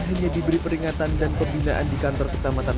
hanya diberi peringatan dan pembinaan di kantor kecamatan